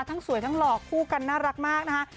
สวยทั้งหลอกคู่กันน่ารักมากนะคะ